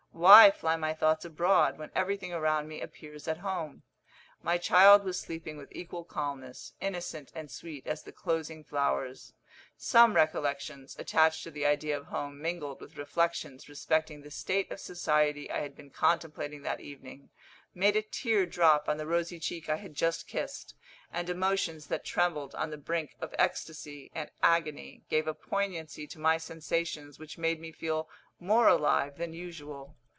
Why fly my thoughts abroad, when everything around me appears at home?" My child was sleeping with equal calmness innocent and sweet as the closing flowers. Some recollections, attached to the idea of home, mingled with reflections respecting the state of society I had been contemplating that evening, made a tear drop on the rosy cheek I had just kissed, and emotions that trembled on the brink of ecstasy and agony gave a poignancy to my sensations which made me feel more alive than usual.